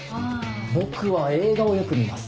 僕は映画をよく見ます。